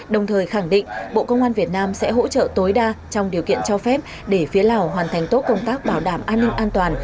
đồng thời khẳng định bộ công an việt nam sẽ hỗ trợ tối đa trong điều kiện cho phép để phía lào hoàn thành tốt công tác bảo đảm an ninh an toàn